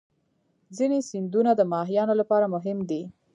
ځینې سیندونه د ماهیانو لپاره مهم دي.